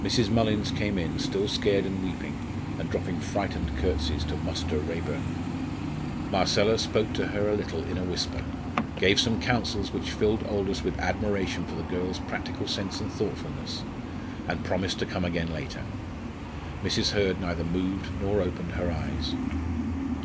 Mrs. Mullins came in still scared and weeping, and dropping frightened curtseys to "Muster Raeburn." Marcella spoke to her a little in a whisper, gave some counsels which filled Aldous with admiration for the girl's practical sense and thoughtfulness, and promised to come again later. Mrs. Hurd neither moved nor opened her eyes.